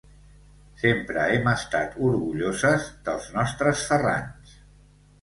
Sempre hem estat orgulloses dels nostres Ferrans.